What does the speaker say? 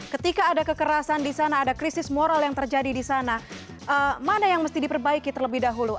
ketika ada kekerasan di sana ada krisis moral yang terjadi di sana mana yang mesti diperbaiki terlebih dahulu